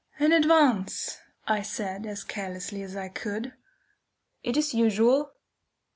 "In advance!" I said, as carelessly as I could. "It is usual."